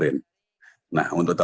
ini adalah yang ketiga